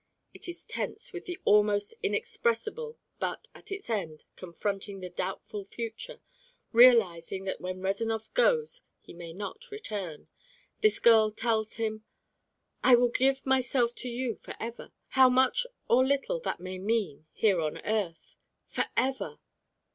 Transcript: It is tense with the almost inexpressible, but at its end, confronting the doubtful future, realizing that when Rezanov goes he may not return, this girl tells him: "I will give myself to you forever, how much or little that may mean here on earth. Forever!"